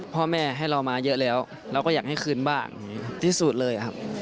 พ่อแม่ให้เรามาเยอะแล้วเราก็อยากให้คืนบ้างที่สุดเลยครับ